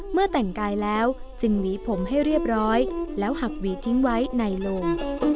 เมื่อแต่งกายแล้วจึงหวีผมให้เรียบร้อยแล้วหักหวีทิ้งไว้ในโลง